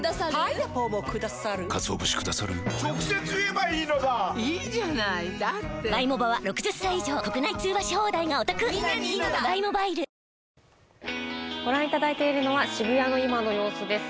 いいじゃないだってご覧いただいているのは渋谷の今の様子です。